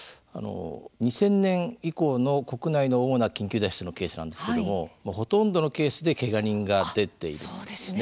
２０００年以降の国内の主な緊急脱出のケースなんですけどももうほとんどのケースでけが人が出ているんですね。